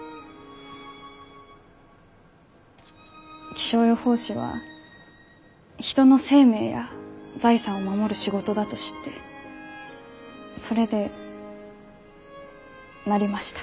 気象予報士は人の生命や財産を守る仕事だと知ってそれでなりました。